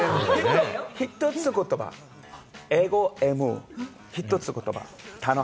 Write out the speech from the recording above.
１つの言葉、英語、「Ｍ」、１つの言葉。